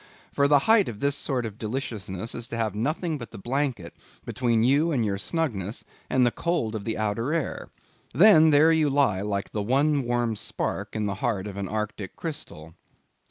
For the height of this sort of deliciousness is to have nothing but the blanket between you and your snugness and the cold of the outer air. Then there you lie like the one warm spark in the heart of an arctic crystal.